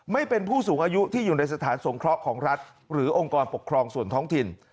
ไม่เป็นผู้สูงอายุที่อยู่ในสถานสงเคราะห์ของรัฐหรือองค์กรปกครองส่วนท้องถิ่น